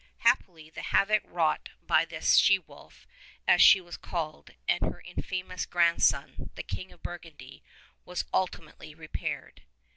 Happily the havoc wrought by this she wolf, as she was called, and her infamous grandson, the King of Burgundy, was ultimately repaired.